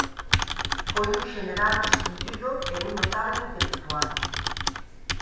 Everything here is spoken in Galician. Foi un xeneral distinguido e un notábel intelectual.